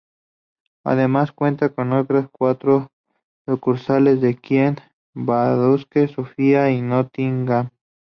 Además cuenta con otras cuatro sucursales en Kiev, Budapest, Sofía, y Nottingham.